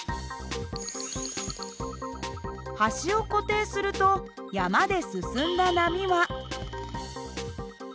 端を固定すると山で進んだ波は。